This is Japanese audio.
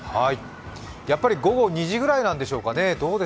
やっぱり午後２時ぐらいなんでしょうかね。